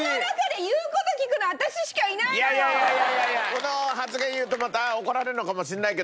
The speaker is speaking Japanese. いやいやいやこの発言言うとまた怒られるのかもしれないけど